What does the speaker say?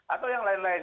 atau yang lain lain